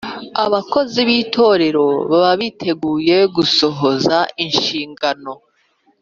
Abakozi b itorero baba biteguye gusohoza inshingano